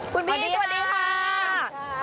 คุณพี่สวัสดีค่ะ